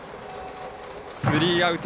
スリーアウト。